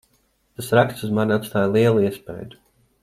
Tas raksts uz mani atstāja lielu iespaidu.